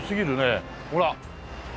ほら。